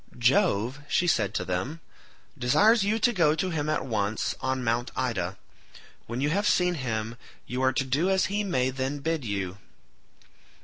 "Jove," she said to them, "desires you to go to him at once on Mt. Ida; when you have seen him you are to do as he may then bid you."